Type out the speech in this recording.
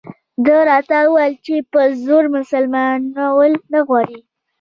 ده راته وویل چې په زور مسلمانول نه غواړي.